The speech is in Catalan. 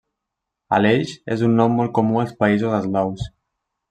Aleix és un nom molt comú als països eslaus.